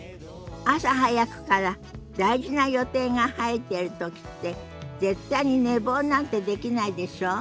朝早くから大事な予定が入ってる時って絶対に寝坊なんてできないでしょ？